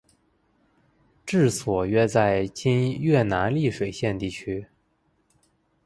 治所约在今越南丽水县地区。